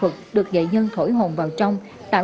bắt đầu từ tháng chín năm hai nghìn một mươi tám